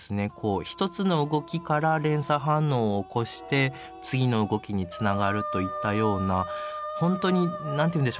一つの動きから連鎖反応を起こして次の動きにつながるといったようなほんとに何ていうんでしょう。